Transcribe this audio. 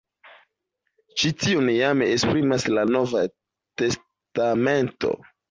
Ĉi tion jam esprimas la Nova Testamento.